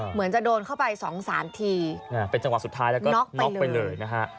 เหมือนจะโดนเข้าไปสองสามทีเป็นจังหวะสุดท้ายแล้วก็น็อกไปเลยนะฮะ